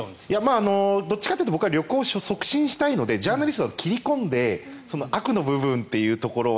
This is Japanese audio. どっちかというと僕は旅行を促進したいのでジャーナリストは切り込んで悪の部分というのは。